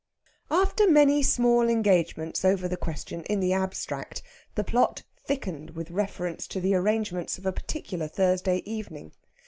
After many small engagements over the question in the abstract, the plot thickened with reference to the arrangements of a particular Thursday evening.